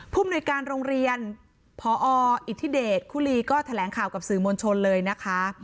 มนุยการโรงเรียนพออิทธิเดชคุลีก็แถลงข่าวกับสื่อมวลชนเลยนะคะ